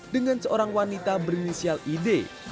dengan seorang wanita berinisial id